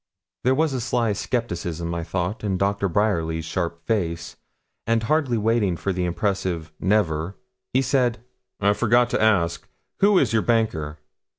There was a sly scepticism, I thought, in Doctor Bryerly's sharp face; and hardly waiting for the impressive 'never,' he said 'I forgot to ask, who is your banker?'